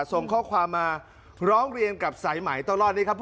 ส่งข้อความมาร้องเรียนกับสายไหมต้องรอดนี้ครับ